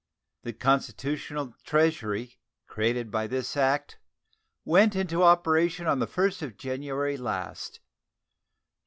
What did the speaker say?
The constitutional treasury created by this act went into operation on the 1st of January last.